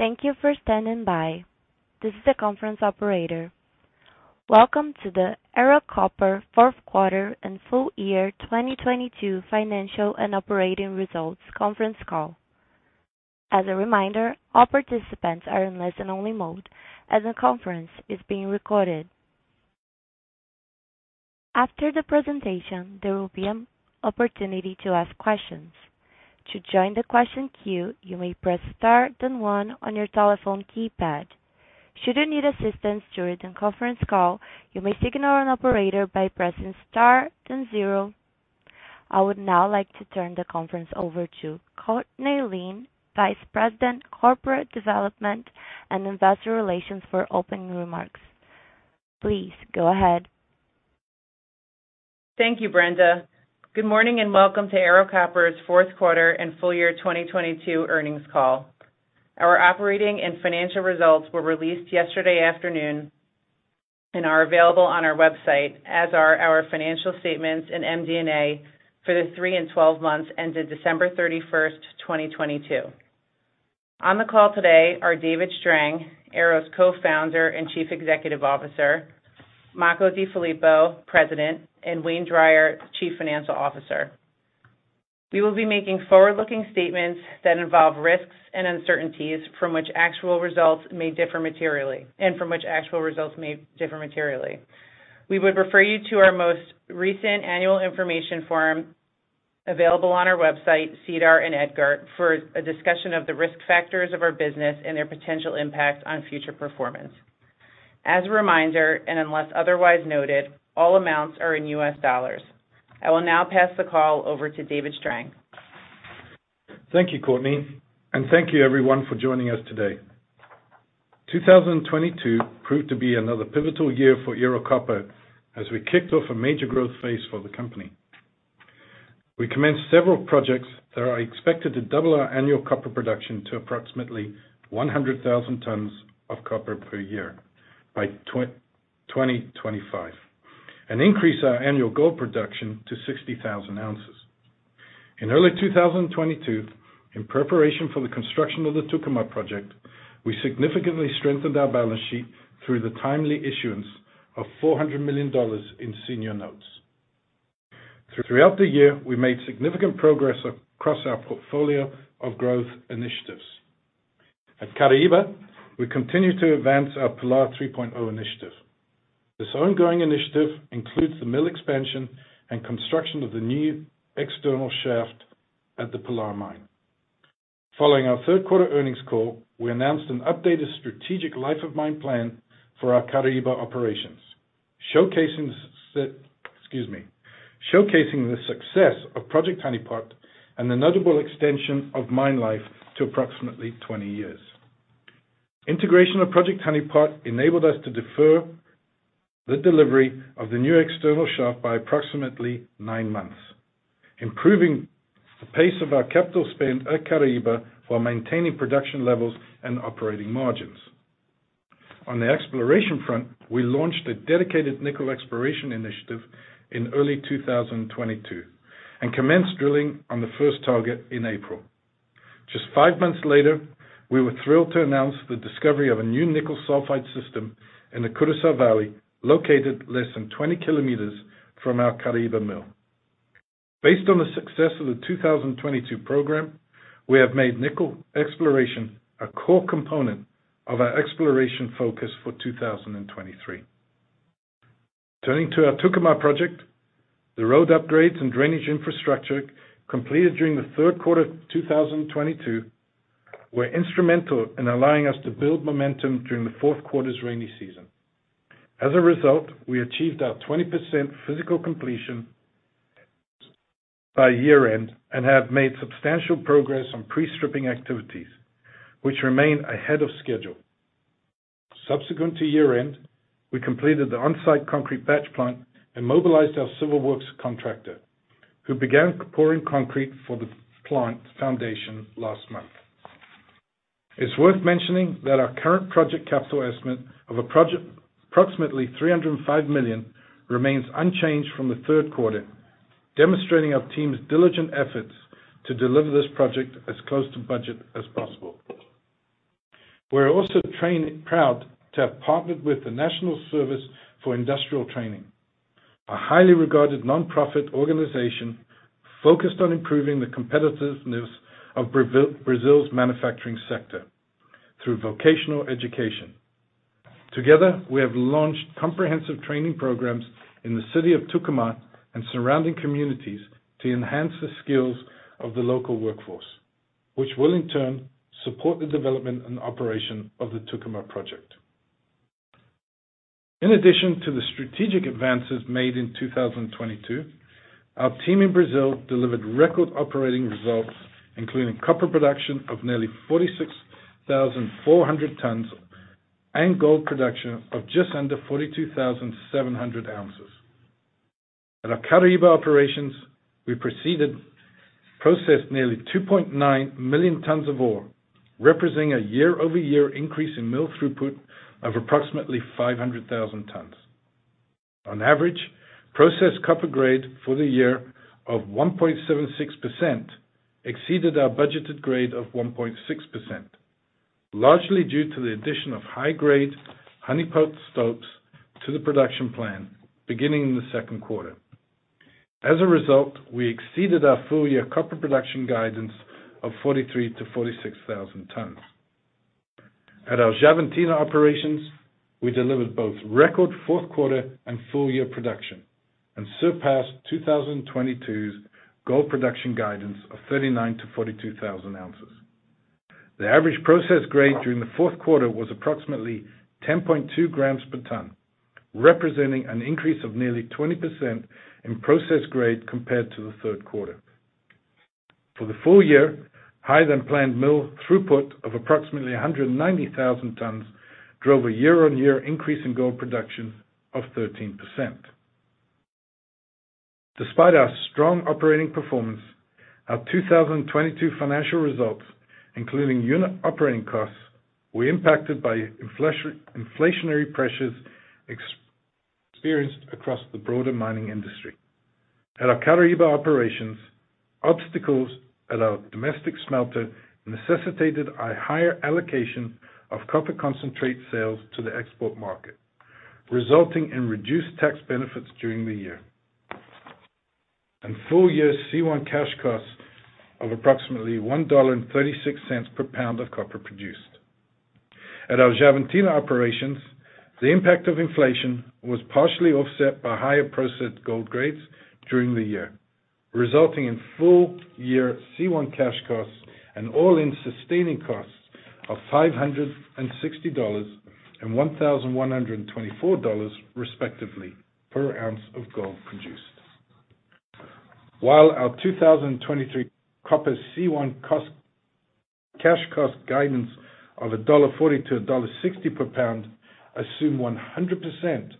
Thank you for standing by. This is the conference operator. Welcome to the Ero Copper Q4 and full year 2022 financial and operating results Conference Call. As a reminder, all participants are in listen only mode as the conference is being recorded. After the presentation, there will be an opportunity to ask questions. To join the question queue, you may press star then one on your telephone keypad. Should you need assistance during the conference call, you may signal an operator by pressing star then zero. I would now like to turn the conference over to Courtney Lynn, Vice President, Corporate Development and Investor Relations for opening remarks. Please go ahead. Thank you, Brenda. Good morning and welcome to Ero Copper's Q4 and full year 2022 Earnings Call. Our operating and financial results were released yesterday afternoon and are available on our website, as are our financial statements in MD&A for the three and 12 months ended 31 December 2022. On the call today are David Strang, Ero's Co-founder and Chief Executive Officer, Makko DeFilippo, President, and Wayne Drier, Chief Financial Officer. We will be making forward-looking statements that involve risks and uncertainties from which actual results may differ materially. We would refer you to our most recent annual information form available on our website, SEDAR, and EDGAR, for a discussion of the risk factors of our business and their potential impact on future performance. As a reminder, and unless otherwise noted, all amounts are in U.S. dollars. I will now pass the call over to David Strang. Thank you, Courtney, and thank you everyone for joining us today. 2022 proved to be another pivotal year for Ero Copper as we kicked off a major growth phase for the company. We commenced several projects that are expected to double our annual copper production to approximately 100,000 tons of copper per year by 2025 and increase our annual gold production to 60,000 ounces. In early 2022, in preparation for the construction of the Tucumã Project, we significantly strengthened our balance sheet through the timely issuance of $400 million in senior notes. Throughout the year, we made significant progress across our portfolio of growth initiatives. At Caraíba, we continue to advance our Pilar 3.0 initiative. This ongoing initiative includes the mill expansion and construction of the new external shaft at the Pilar Mine. Following our Q3 Earnings Call, we announced an updated strategic life-of-mine plan for our Caraíba operations, excuse me, showcasing the success of Project Honeypot and the notable extension of mine life to approximately 20 years. Integration of Project Honeypot enabled us to defer the delivery of the new external shaft by approximately nine months, improving the pace of our capital spend at Caraíba while maintaining production levels and operating margins. On the exploration front, we launched a dedicated nickel exploration initiative in early 2022 and commenced drilling on the first target in April. Just five months later, we were thrilled to announce the discovery of a new nickel sulfide system in the Curaçá Valley, located less than 20 kilometers from our Caraíba mill. Based on the success of the 2022 program, we have made nickel exploration a core component of our exploration focus for 2023. Turning to our Tucumã Project, the road upgrades and drainage infrastructure completed during the Q3 of 2022 were instrumental in allowing us to build momentum during the Q4's rainy season. As a result, we achieved our 20% physical completion by year-end and have made substantial progress on pre-stripping activities, which remain ahead of schedule. Subsequent to year-end, we completed the on-site concrete batch plant and mobilized our civil works contractor, who began pouring concrete for the plant foundation last month. It's worth mentioning that our current project capital estimate of a project approximately $305 million remains unchanged from the Q3, demonstrating our team's diligent efforts to deliver this project as close to budget as possible. We're also proud to have partnered with the National Service for Industrial Training, a highly regarded nonprofit organization focused on improving the competitiveness of Brazil's manufacturing sector through vocational education. Together, we have launched comprehensive training programs in the city of Tucumã and surrounding communities to enhance the skills of the local workforce, which will in turn support the development and operation of the Tucumã Project. In addition to the strategic advances made in 2022, our team in Brazil delivered record operating results, including copper production of nearly 46,400 tons and gold production of just under 42,700 ounces. At our Caraíba Operations, we processed nearly 2.9 million tons of ore, representing a year-over-year increase in mill throughput of approximately 500,000 tons. On average, processed copper grade for the year of 1.76% exceeded our budgeted grade of 1.6%, largely due to the addition of high-grade Honeypot stopes to the production plan beginning in the Q2. As a result, we exceeded our full year copper production guidance of 43,000-46,000 tons. At our Xavantina Operations, we delivered both record Q4 and full year production and surpassed 2022's gold production guidance of 39,000-42,000 ounces. The average process grade during the Q4 was approximately 10.2 grams per ton, representing an increase of nearly 20% in process grade compared to the Q3. For the full year, higher than planned mill throughput of approximately 190,000 tons drove a year-on-year increase in gold production of 13%. Despite our strong operating performance, our 2022 financial results, including unit operating costs, were impacted by inflationary pressures experienced across the broader mining industry. At our Caraíba operations, obstacles at our domestic smelter necessitated a higher allocation of copper concentrate sales to the export market, resulting in reduced tax benefits during the year. Full year C1 cash costs of approximately $1.36 per pound of copper produced. At our Xavantina operations, the impact of inflation was partially offset by higher processed gold grades during the year, resulting in full year C1 cash costs and all-in sustaining costs of $560 and $1,124 respectively per ounce of gold produced. While our 2023 copper C1 cash cost guidance of $1.40-$1.60 per pound assume 100%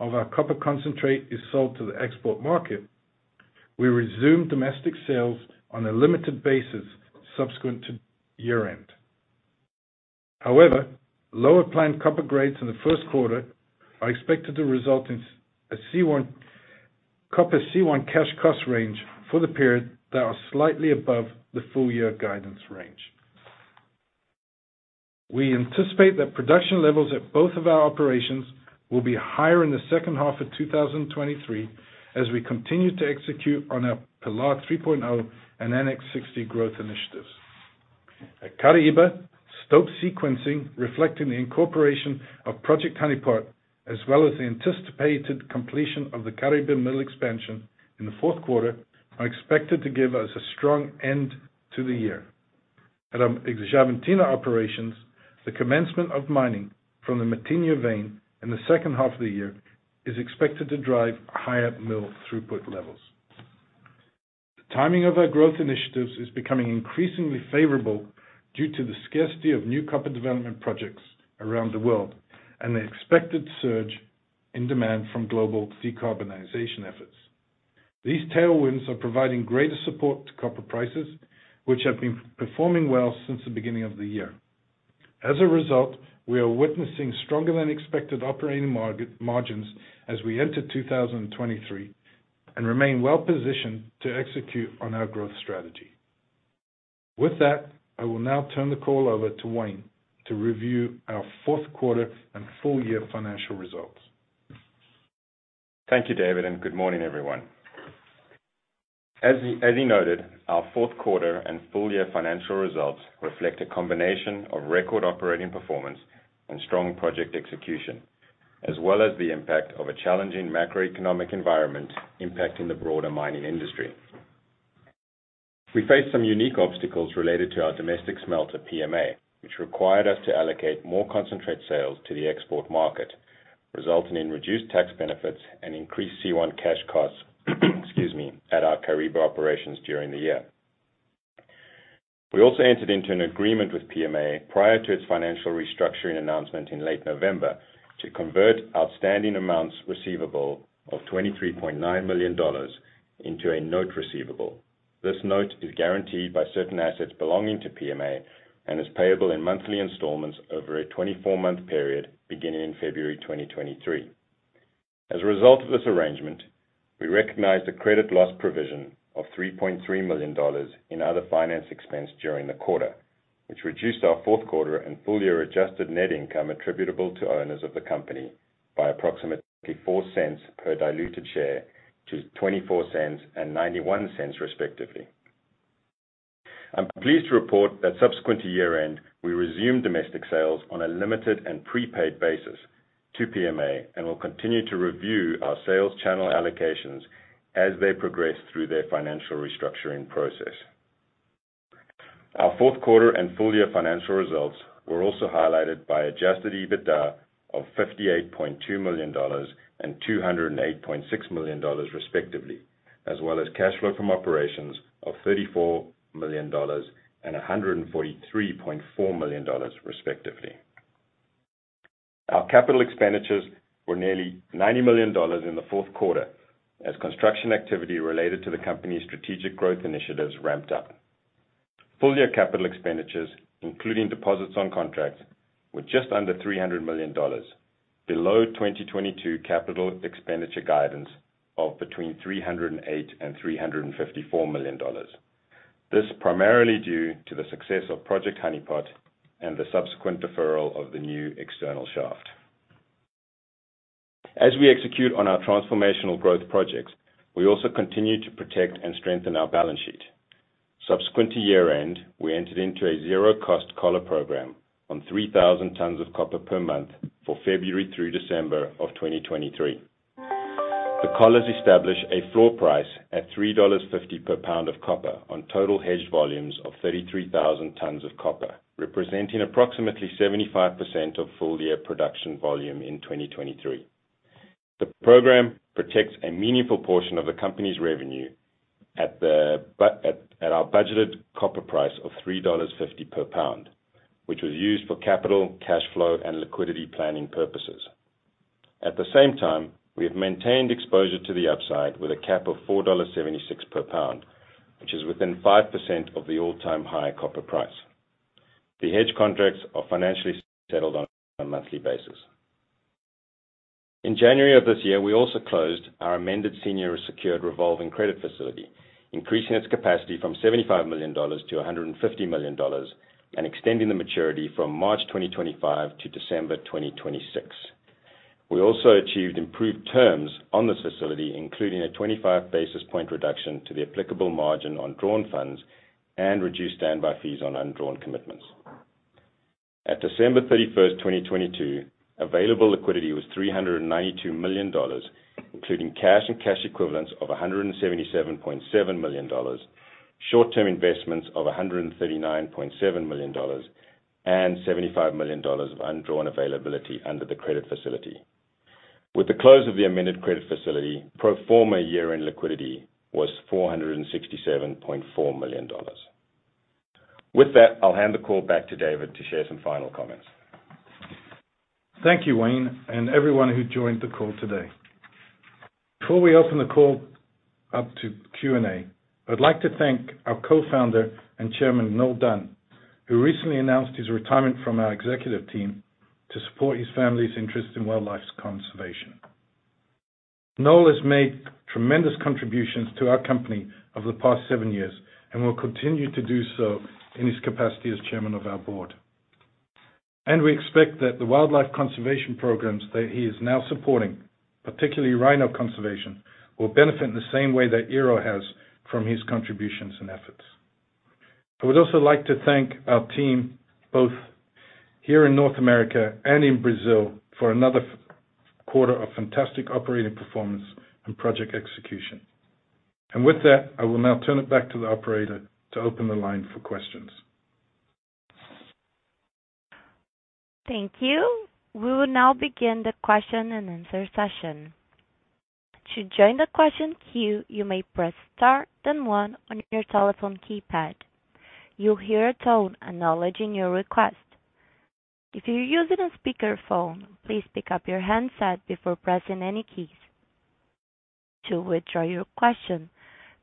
of our copper concentrate is sold to the export market, we resumed domestic sales on a limited basis subsequent to year-end. Lower planned copper grades in the Q1 are expected to result in a C1 cash cost range for the period that are slightly above the full year guidance range. We anticipate that production levels at both of our operations will be higher in the second half of 2023 as we continue to execute on our Pilar 3.0 and NX 60 growth initiatives. At Caraíba, stope sequencing reflecting the incorporation of Project Honeypot as well as the anticipated completion of the Caraíba mill expansion in the Q4 are expected to give us a strong end to the year. At our Xavantina operations, the commencement of mining from the Matinha vein in the second half of the year is expected to drive higher mill throughput levels. The timing of our growth initiatives is becoming increasingly favorable due to the scarcity of new copper development projects around the world and the expected surge in demand from global decarbonization efforts. These tailwinds are providing greater support to copper prices, which have been performing well since the beginning of the year. We are witnessing stronger than expected operating margins as we enter 2023 and remain well positioned to execute on our growth strategy. With that, I will now turn the call over to Wayne to review our Q4 and full year financial results. Thank you, David. Good morning, everyone. As he noted, our Q4 and full year financial results reflect a combination of record operating performance and strong project execution, as well as the impact of a challenging macroeconomic environment impacting the broader mining industry. We faced some unique obstacles related to our domestic smelter, PMA, which required us to allocate more concentrate sales to the export market, resulting in reduced tax benefits and increased C1 cash costs, excuse me, at our Caraíba operations during the year. We also entered into an agreement with PMA prior to its financial restructuring announcement in late November to convert outstanding amounts receivable of $23.9 million into a note receivable. This note is guaranteed by certain assets belonging to PMA and is payable in monthly installments over a 24-month period, beginning in February 2023. As a result of this arrangement, we recognized a credit loss provision of $3.3 million in other finance expense during the quarter, which reduced our Q4 and full year adjusted net income attributable to owners of the company by approximately $0.04 per diluted share to $0.24 and $0.91, respectively. I'm pleased to report that subsequent to year-end, we resumed domestic sales on a limited and prepaid basis to PMA and will continue to review our sales channel allocations as they progress through their financial restructuring process. Our Q4 and full year financial results were also highlighted by adjusted EBITDA of $58.2 million and $208.6 million, respectively, as well as cash flow from operations of $34 million and $143.4 million, respectively. Our capital expenditures were nearly $90 million in the Q4 as construction activity related to the company's strategic growth initiatives ramped up. Full year capital expenditures, including deposits on contracts, were just under $300 million, below 2022 capital expenditure guidance of between $308 million and $354 million. This primarily due to the success of Project Honeypot and the subsequent deferral of the new external shaft. As we execute on our transformational growth projects, we also continue to protect and strengthen our balance sheet. Subsequent to year-end, we entered into a zero-cost collar program on 3,000 tons of copper per month for February through December of 2023. The collars establish a floor price at $3.50 per pound of copper on total hedge volumes of 33,000 tons of copper, representing approximately 75% of full year production volume in 2023. The program protects a meaningful portion of the company's revenue at our budgeted copper price of $3.50 per pound, which was used for capital, cash flow, and liquidity planning purposes. At the same time, we have maintained exposure to the upside with a cap of $4.76 per pound, which is within 5% of the all-time high copper price. The hedge contracts are financially settled on a monthly basis. In January of this year, we also closed our amended senior secured revolving credit facility, increasing its capacity from $75 million to $150 million, and extending the maturity from March 2025 to December 2026. We also achieved improved terms on this facility, including a 25 basis point reduction to the applicable margin on drawn funds and reduced standby fees on undrawn commitments. At 31 December, 2022, available liquidity was $392 million, including cash and cash equivalents of $177.7 million, short-term investments of $139.7 million, and $75 million of undrawn availability under the credit facility. With the close of the amended credit facility, pro forma year-end liquidity was $467.4 million. With that, I'll hand the call back to David to share some final comments. Thank you, Wayne, and everyone who joined the call today. Before we open the call up to Q&A, I'd like to thank our co-founder and Chairman, Noel Dunn, who recently announced his retirement from our executive team to support his family's interest in wildlife conservation. Noel has made tremendous contributions to our company over the past seven years and will continue to do so in his capacity as chairman of our board. We expect that the wildlife conservation programs that he is now supporting, particularly rhino conservation, will benefit in the same way that Ero has from his contributions and efforts. I would also like to thank our team, both here in North America and in Brazil, for another quarter of fantastic operating performance and project execution. With that, I will now turn it back to the operator to open the line for questions. Thank you. We will now begin the question-and-answer session. To join the question queue, you may press star then one on your telephone keypad. You'll hear a tone acknowledging your request. If you're using a speakerphone, please pick up your handset before pressing any keys. To withdraw your question,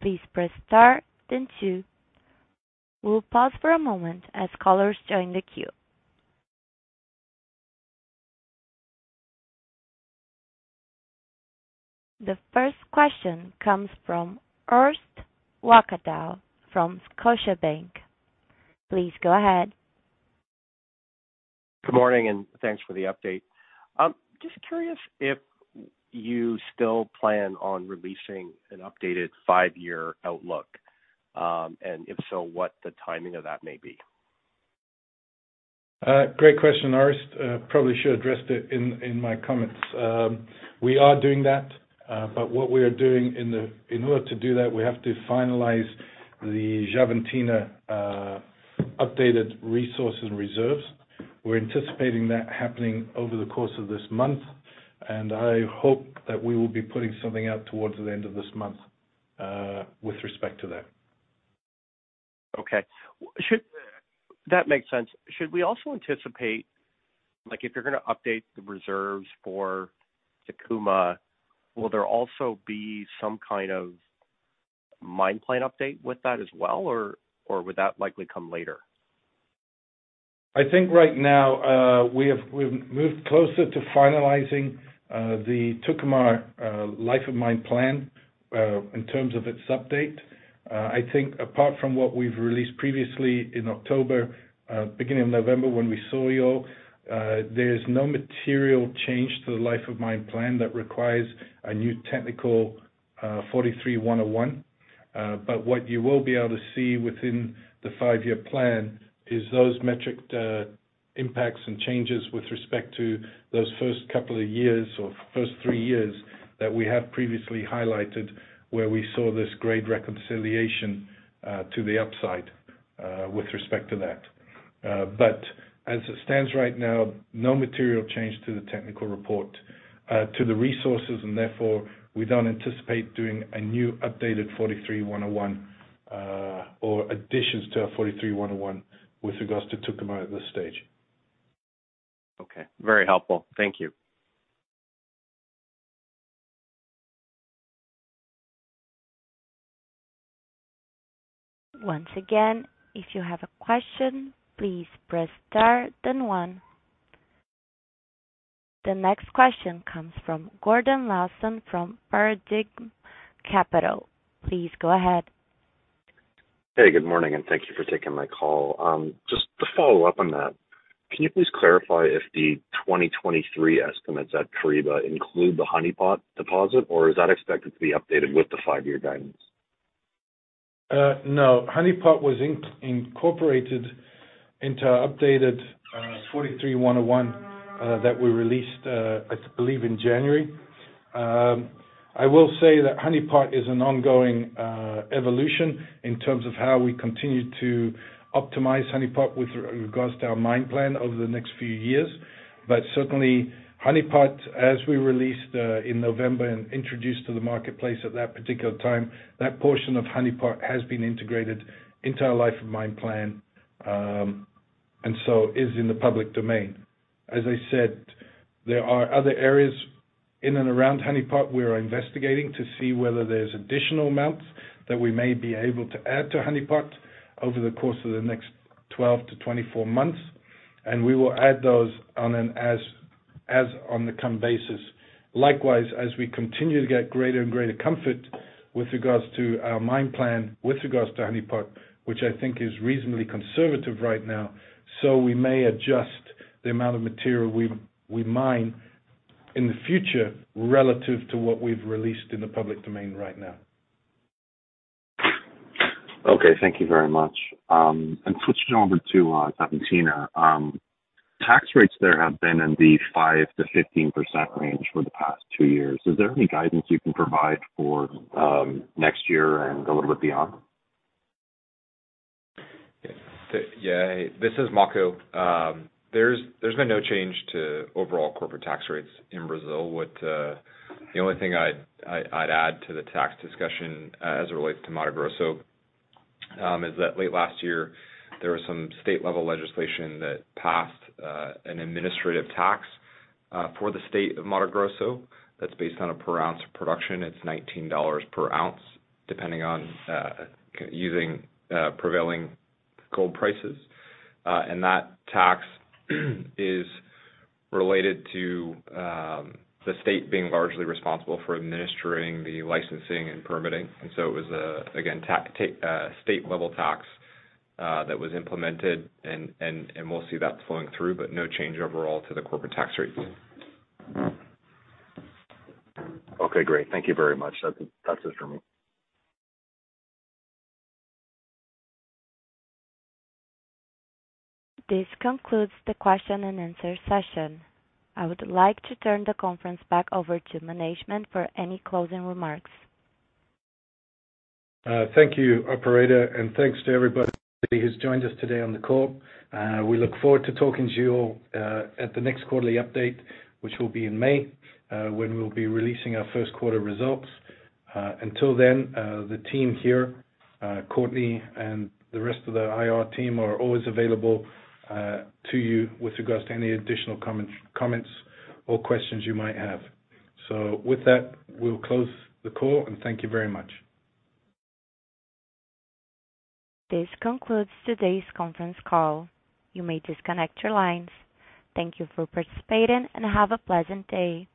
please press star then two. We'll pause for a moment as callers join the queue. The first question comes from Orest Wowkodaw from Scotiabank. Please go ahead. Good morning. Thanks for the update. Just curious if you still plan on releasing an updated five-year outlook, and if so, what the timing of that may be? Great question, Orest. Probably should have addressed it in my comments. We are doing that, but what we are doing in order to do that, we have to finalize the Xavantina updated resource and reserves. We're anticipating that happening over the course of this month, and I hope that we will be putting something out towards the end of this month with respect to that. That makes sense. Should we also anticipate if you're gonna update the reserves for the Tucumã, will there also be some kind of mine plan update with that as well, or would that likely come later? I think right now, we've moved closer to finalizing the Tucumã life-of-mine plan in terms of its update. I think apart from what we've released previously in October, beginning of November when we saw you all, there's no material change to the life-of-mine plan that requires a new technical NI 43-101. What you will be able to see within the five-year plan is those metric impacts and changes with respect to those first couple of years or first three years that we have previously highlighted, where we saw this grade reconciliation to the upside with respect to that. As it stands right now, no material change to the technical report, to the resources, and therefore, we don't anticipate doing a new updated NI 43-101, or additions to our NI 43-101 with regards to Tucumã at this stage. Okay. Very helpful. Thank you. Once again, if you have a question, please press star then one. The next question comes from Gordon Lawson from Paradigm Capital. Please go ahead. Hey, good morning, thank you for taking my call. Just to follow up on that, can you please clarify if the 2023 estimates at Caraíba include the Honeypot deposit or is that expected to be updated with the five-year guidance? No. Honeypot was incorporated into updated NI 43-101 that we released, I believe in January. I will say that Honeypot is an ongoing evolution in terms of how we continue to optimize Honeypot with regards to our mine plan over the next few years. Certainly, Honeypot, as we released in November and introduced to the marketplace at that particular time, that portion of Honeypot has been integrated into our life-of-mine plan and so is in the public domain. As I said, there are other areas in and around Honeypot we are investigating to see whether there's additional amounts that we may be able to add to Honeypot over the course of the next 12 to 24 months, and we will add those on an as on the come basis. Likewise, as we continue to get greater and greater comfort with regards to our mine plan, with regards to Honeypot, which I think is reasonably conservative right now, so we may adjust the amount of material we mine in the future relative to what we've released in the public domain right now. Okay. Thank you very much. Switching over to Xavantina. Tax rates there have been in the 5%-15% range for the past two years. Is there any guidance you can provide for next year and a little bit beyond? Yeah. This is Makko. There's been no change to overall corporate tax rates in Brazil. The only thing I'd add to the tax discussion as it relates to Mato Grosso is that late last year there was some state level legislation that passed an administrative tax for the state of Mato Grosso that's based on a per ounce production. It's $19 per ounce, depending on using prevailing gold prices. That tax is related to the state being largely responsible for administering the licensing and permitting. So it was again a state level tax that was implemented and we'll see that flowing through, but no change overall to the corporate tax rate. Okay, great. Thank you very much. That's it for me. This concludes the question and answer session. I would like to turn the conference back over to management for any closing remarks. Thank you, operator, and thanks to everybody who's joined us today on the call. We look forward to talking to you all at the next quarterly update, which will be in May, when we'll be releasing our Q1 results. Until then, the team here, Courtney and the rest of the IR team are always available to you with regards to any additional comments or questions you might have. With that, we'll close the call and thank you very much. This concludes today's conference call. You may disconnect your lines. Thank you for participating and have a pleasant day.